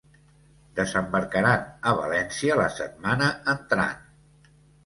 Desembarcaran a València la setmana entrant.